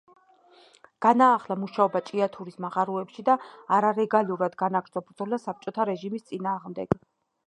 განაახლა მუშაობა ჭიათურის მაღაროებში და არალეგალურად განაგრძო ბრძოლა საბჭოთა რეჟიმის წინააღმდეგ.